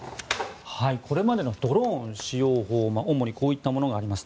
これまでのドローン使用法主にこういったものがあります。